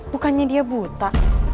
bukannya dia buta